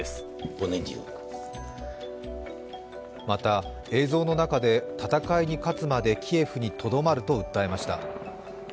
また、映像の中で戦いに勝つまでキエフにとどまると訴えました。